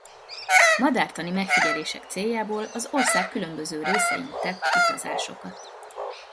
Madártani megfigyelések céljából az ország különböző részein tett utazásokat.